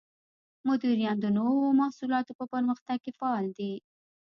مدیران د نوو محصولاتو په پرمختګ کې فعال دي.